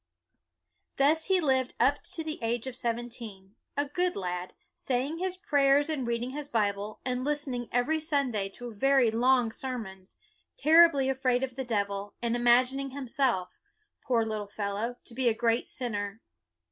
Thus he lived up to the age of seven teen, a good lad, saying his prayers and reading his Bible, and listening every Sun day to very long sermons, terribly afraid BUNYAN 261 of the devil, and imagining himself poor little fellow to be a great sinner.